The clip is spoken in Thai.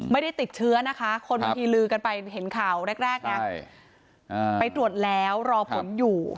ไม่ได้ติดเชื้อนะคะคนบางทีลือกันไปเห็นข่าวแรกไงไปตรวจแล้วรอผลอยู่